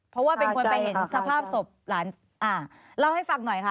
เพราะว่าเป็นคนไปเห็นสภาพศพหลานอ่าเล่าให้ฟังหน่อยค่ะ